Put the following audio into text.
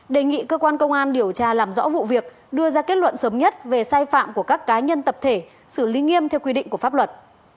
đề nghị cơ quan công an điều tra làm rõ vụ việc đưa ra kết luận sớm nhất về sai phạm của các cá nhân tập thể xử lý nghiêm theo quy định của pháp luật